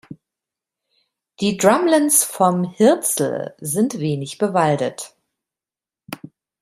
Die Drumlins vom Hirzel sind wenig bewaldet.